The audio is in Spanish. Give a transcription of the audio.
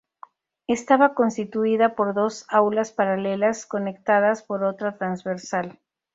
Estaba constituida por dos aulas paralelas, conectadas por otra transversal.